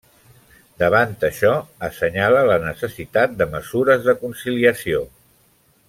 Davant això, assenyala la necessitat de mesures de conciliació.